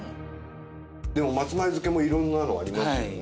でも松前漬けも色んなのありますよね。